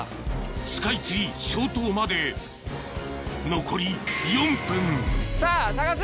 スカイツリー消灯まで残り４分さぁ探せ！